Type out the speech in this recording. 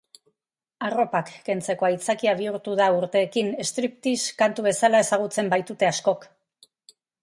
Arropak kentzeko aitzakia bihurtu da urteekin, streaptease kantu bezala ezagutzen baitute askok.